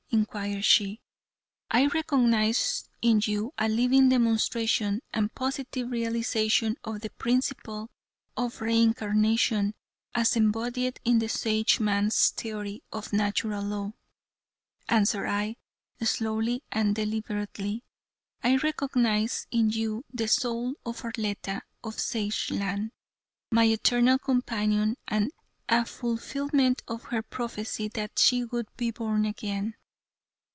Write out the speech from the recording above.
inquired she. "I recognize in you a living demonstration and positive realization of the principle of re incarnation, as embodied in the Sageman's theory of Natural Law," answered I, slowly and deliberately. "I recognize in you the soul of Arletta, of Sageland, my eternal companion, and a fulfilment of her prophecy that she would be born again.